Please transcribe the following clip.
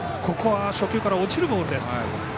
ここは、初球から落ちるボール。